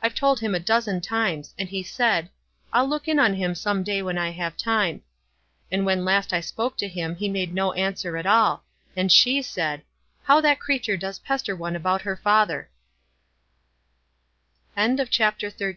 I've told him a dozen times, and he said, 'I'll look in on him some day when I have time.' And when last I spoke to him, he made no answer at all ; and she said, f How that creature does pester one abc at her father 1 '" CHAPTEE XIV.